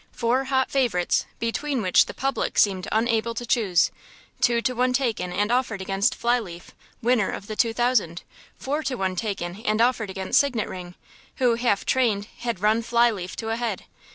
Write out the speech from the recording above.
Four hot favourites, between which the public seemed unable to choose. Two to one taken and offered against Fly leaf, winner of the Two Thousand; four to one taken and offered against Signet ring, who, half trained, had run Fly leaf to a head.